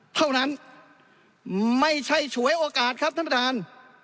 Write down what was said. เท่านั้นไม่ใช่ฉวยโอกาสครับท่านประธาน